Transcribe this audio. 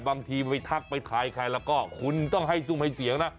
บางทีไปทักไปทายใครแล้วก็คุณต้องให้ซุ่มให้เสียงนะ